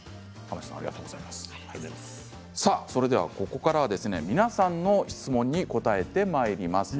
ここからは皆さんの質問に答えてまいります。